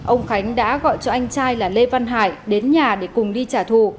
ông khánh đã gọi cho anh trai là lê văn hải đến nhà để cùng đi trả thù